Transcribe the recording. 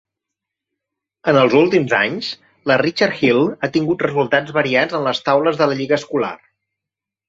En els últims anys, la Richard Hill ha tingut resultats variats en les taules de la lliga escolar.